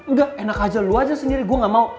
enggak enak aja lu aja sendiri gue gak mau